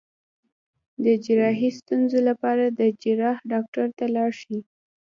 د جراحي ستونزو لپاره د جراح ډاکټر ته لاړ شئ